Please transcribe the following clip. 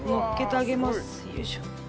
よいしょ！